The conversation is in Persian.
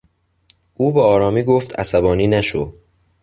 او به آرامی گفت "عصبانی نشو!"